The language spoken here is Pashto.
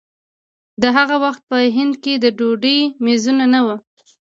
د هغه وخت په هند کې د ډوډۍ مېزونه نه وو.